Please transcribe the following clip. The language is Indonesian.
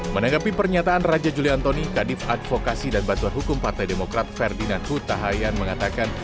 menanggapi pernyataan raja juliantoni kadif advokasi dan bantuan hukum partai demokrat ferdinand huta hayan mengatakan